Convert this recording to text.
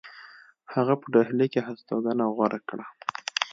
هغه په ډهلی کې هستوګنه غوره کړه.